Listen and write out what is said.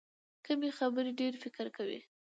کمې خبرې، ډېر فکر کوي.